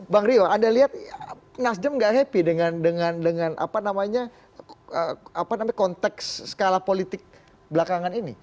bang rio anda lihat nasdem tidak happy dengan dengan dengan apa namanya konteks skala politik belakangan ini